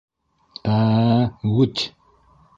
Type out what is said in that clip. Ә-ә-ә... гу-ты!